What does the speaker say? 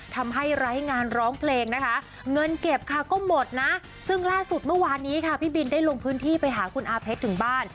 ไร้งานร้องเพลงนะคะเงินเก็บค่ะก็หมดนะซึ่งล่าสุดเมื่อวานนี้ค่ะพี่บินได้ลงพื้นที่ไปหาคุณอาเพชรถึงบ้าน